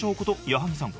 矢作さん